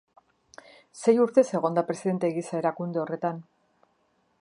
Sei urtez egon da presidente gisa erakunde horretan.